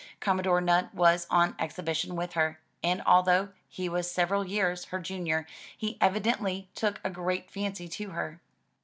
Commodore Nutt was on exhibition with her, and although he was several years her junior he evidently took a great fancy to her.